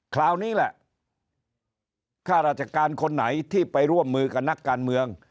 คราวนี้แหละข้าราชการคนไหนที่ไปร่วมมือกับนักการเมือง